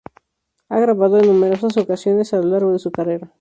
Ha grabado en numerosas ocasiones a lo largo de su carrera.